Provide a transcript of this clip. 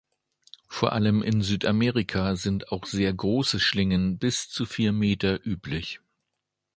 Vor allem in Südamerika sind auch sehr große Schlingen bis zu vier Meter üblich.